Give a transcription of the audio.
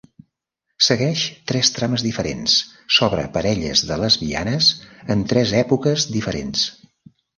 Segueix tres trames diferents sobre parelles de lesbianes en tres èpoques diferents.